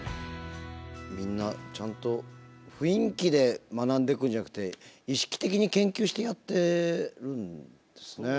みんなちゃんと雰囲気で学んでくんじゃなくて意識的に研究してやってるんですね。